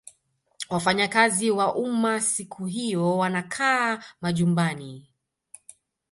wafanyakazi wa umma siku hiyo wanakaa majumbani